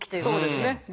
そうですね。